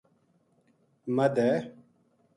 مدھ ہے